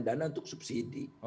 dana untuk subsidi